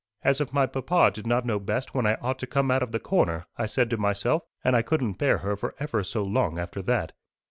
"'As if my papa did not know best when I ought to come out of the corner!' I said to myself. And I couldn't bear her for ever so long after that."